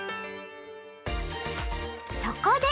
そこで！